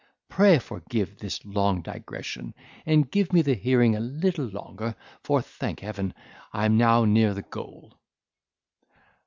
Pray forgive this long digression, and give me the hearing a little longer; for, thank heaven! I am now near the goal.